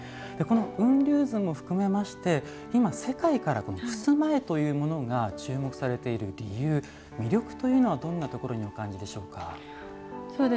この「雲龍図」も含めまして今世界から襖絵というものが注目されている理由魅力というのはどんなところにお感じでしょうか？